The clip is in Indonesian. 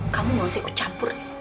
kamu gak usah ikut campur